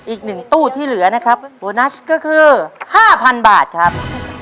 อีกหนึ่งตู้ที่เหลือนะครับโบนัสก็คือห้าพันบาทครับ